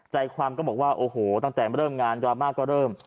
ใจความก็บอกว่าโอ้โหตั้งแต่เริ่มงานดราม่าก็เริ่ม